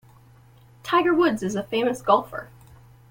Tiger Woods is a famous golfer.